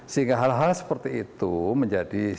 sehingga hal hal seperti itu menjadi